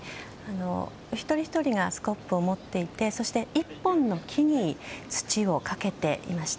一人ひとりがスコップを持っていてそして１本の木に土をかけていました。